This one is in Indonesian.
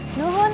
dua ya neng